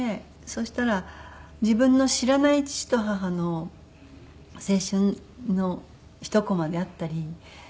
そしたら自分の知らない父と母の青春のひとコマであったり。